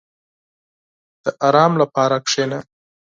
• د آرام لپاره کښېنه.